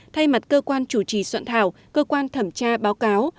thay mặt cơ quan chủ trì soạn thảo cơ quan thẩm tra báo cáo